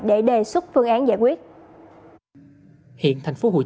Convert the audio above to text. để đề xuất phương án giải quyết